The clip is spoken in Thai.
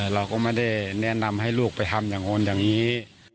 เราก็ไม่ได้แนะนำให้ลูกไปทำอย่างโอนอย่างนี้